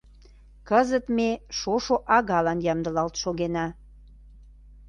Кызыт ме шошо агалан ямдылалт шогена.